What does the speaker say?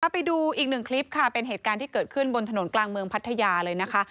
ไปดูอีกหนึ่งคลิปค่ะเป็นเหตุการณ์ที่เกิดขึ้นบนถนนกลางเมืองพัทยาเลยนะคะ